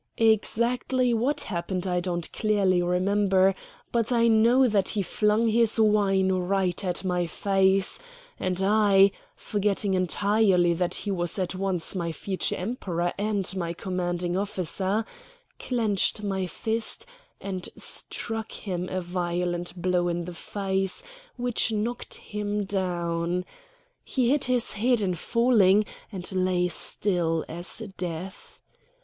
Exactly what happened I don't clearly remember; but I know that he flung his wine right at my face, and I, forgetting entirely that he was at once my future Emperor and my commanding officer, clenched my fist and struck him a violent blow in the face which knocked him down. He hit his head in falling, and lay still as death.